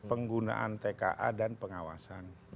penggunaan tka dan pengawasan